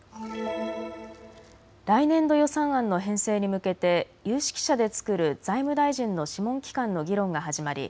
来年度予算案の編成に向けて有識者で作る財務大臣の諮問機関の議論が始まり